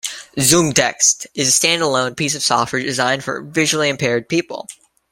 ZoomText is a stand-alone piece of software designed for visually impaired people.